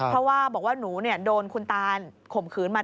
เพราะว่าหนูโดนคุณตานข่มขืนมา